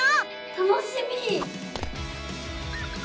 楽しみ！